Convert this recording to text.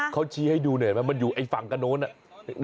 เขาชี้ให้ดูหน่อยไหมมันอยู่ไอ้ฝั่งกระโน้นน่ะ